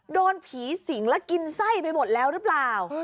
โดนผีสิงแล้วกินไส้ไปหมดแล้วหรือเปล่า